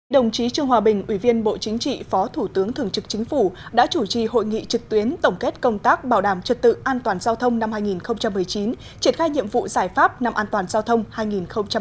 đồng chí trương hòa bình ủy viên bộ chính trị phó thủ tướng thường trực chính phủ đã chủ trì hội nghị trực tuyến tổng kết công tác bảo đảm trật tự an toàn giao thông năm hai nghìn một mươi chín triển khai nhiệm vụ giải pháp năm an toàn giao thông hai nghìn hai mươi